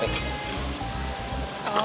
oh berarti bener dong